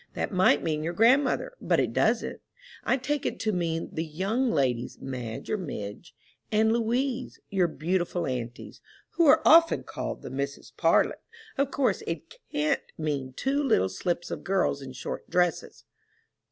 "That might mean your grandmother, but it doesn't! I take it to mean the young ladies, Madge (or Mig) and Louise, your beautiful aunties, who are often called 'the Misses Parlin.' Of course it can't mean two little slips of girls in short dresses!"